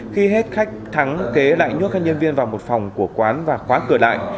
khi hết khách thắng kế lại nhốt hai nhân viên vào một phòng của quán và khóa cửa lại